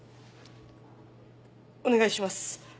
お願いします。